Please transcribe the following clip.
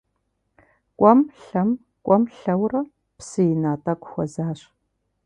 КӀуэм-лъэм, кӀуэм-лъэурэ, псы ина тӀэкӀу хуэзащ.